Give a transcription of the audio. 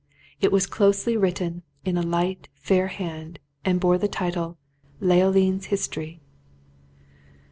It was closely written, in a light, fair hand, and bore the title "Leoline's History."